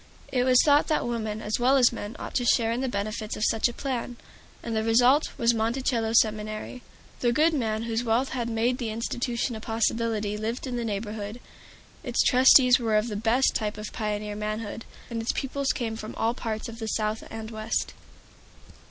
It was thought that women as well as men ought to share in the benefits of such a plan, and the result was Monticello Seminary. The good man whose wealth had made the institution a possibility lived in the neighborhood. Its trustees were of the best type of pioneer manhood, and its pupils came from all parts of the South and West.